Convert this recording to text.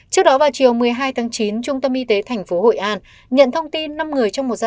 trước đó vào chiều một mươi hai tháng chín